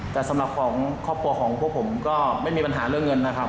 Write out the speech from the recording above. แต่สำหรับของครอบครัวของพวกผมก็ไม่มีปัญหาเรื่องเงินนะครับ